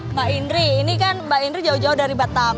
mbak indri ini kan mbak indri jauh jauh dari batam